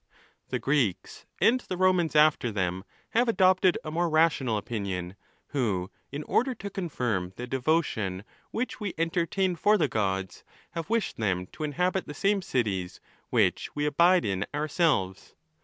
_ XI. The Greeks, and the Romans after them, have adopted 440 ON THE LAWS, a more rational opinion, who, in order to confirm the devotion which we entertain for the gods, have wished them to inhabit the same cities which we abide in ourselves.